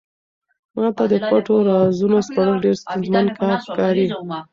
ما ته د پټو رازونو سپړل ډېر ستونزمن کار ښکاري.